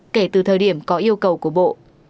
kể từ thời điểm có yêu cầu của bộ